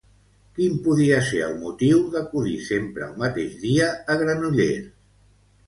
Quin podia ser el motiu d'acudir sempre el mateix dia a Granollers?